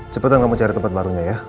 cepetan kamu cari tempat barunya ya